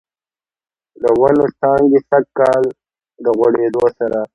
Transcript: د ونوو څانګې سږکال، د غوړیدو سره